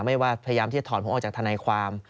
ไม่ว่าพยายามที่จะถอนผมออกจากทนายความ